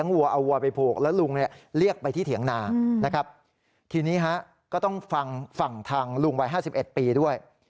นี่ครับก็ต้องฟังฐังลุงวัย๕๑ปีด้วย